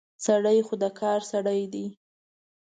سړی خو د کار سړی دی.